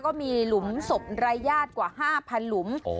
ก็มีหลุมศพรายญาติกว่า๕๐๐หลุม